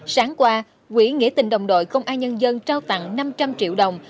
sáng qua quỹ nghĩa tình đồng đội công an nhân dân trao tặng năm trăm linh triệu đồng